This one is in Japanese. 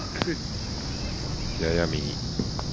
やや右。